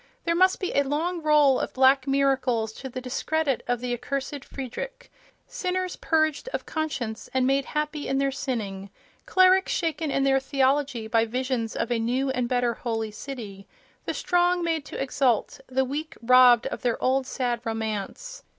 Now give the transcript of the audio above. There must be a long roll of black miracles to the discredit of the Accursed Friedrich—sinners purged of conscience and made happy in their sinning, clerics shaken in their theology by visions of a new and better holy city, the strong made to exult, the weak robbed of their old sad romance.